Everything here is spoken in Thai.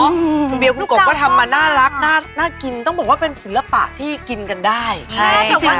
คุณเบียคุณกบก็ทำมาน่ารักน่ากินต้องบอกว่าเป็นศิลปะที่กินกันได้ใช่จริง